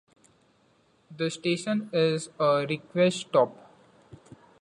The station is a request stop.